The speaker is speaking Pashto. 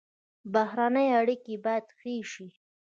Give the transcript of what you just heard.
بهرنۍ اړیکې باید ښې شي